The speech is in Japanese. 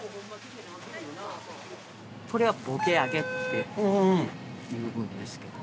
これは「ぼけあげ」っていうもんですけど。